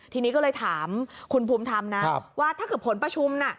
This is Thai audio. ทีนี้ก็เลยถามคุณภูมิธรรมนะว่าถ้าเกิดผลประชุมน่ะ